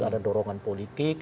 ada dorongan politik